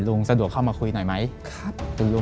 สะดวกเข้ามาคุยหน่อยไหม